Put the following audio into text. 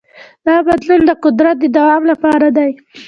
دا بدلون د قدرت د دوام لپاره دی.